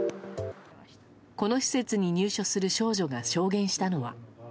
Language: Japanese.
この施設に入所する少女が証言したのは。